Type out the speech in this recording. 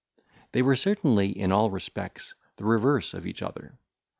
They were certainly, in all respects, the reverse of each other.